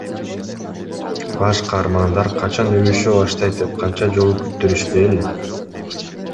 Баш каармандар качан өбүшө баштайт деп канча жолу күттүрүштү эле?